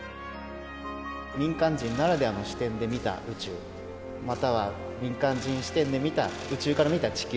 民間人ならではの視点で見た宇宙、または民間人視点で見た、宇宙から見た地球。